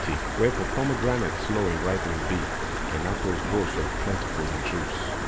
Wherefore pomegranates slow in ripening be, And apples grow so plentiful in juice.